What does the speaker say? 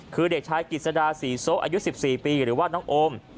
คือเด็กชายกิจสดาศรีโซะอายุ๑๔ปีหรือว่าน้องโอม